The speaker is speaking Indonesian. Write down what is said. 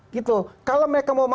gitu kalau mereka